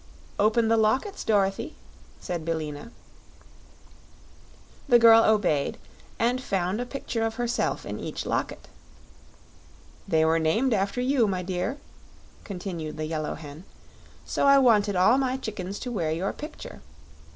"Open the lockets, Dorothy," said Billina. The girl obeyed and found a picture of herself in each locket. "They were named after you, my dear," continued the Yellow Hen, "so I wanted all my chickens to wear your picture.